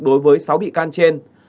đối với sáu bị can trên